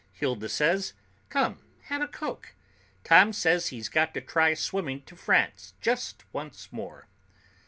Hilda says, "Come have a coke. Tom says he's got to try swimming to France just once more."